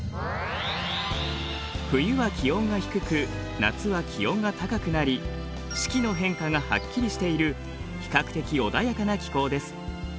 冬は気温が低く夏は気温が高くなり四季の変化がはっきりしている比較的穏やかな気候です。